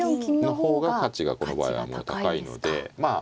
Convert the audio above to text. の方が価値がこの場合は高いのでまあ